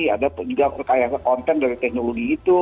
ada juga rekayasa konten dari teknologi itu